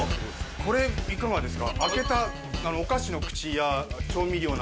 これいかがですか？